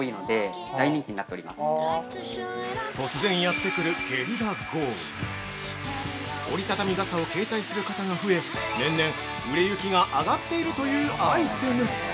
◆突然やってくるゲリラ豪雨折り畳み傘を携帯する方が増え年々、売れ行きが上がっているというアイテム！